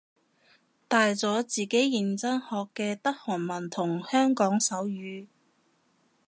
大咗自己認真學嘅得韓文同香港手語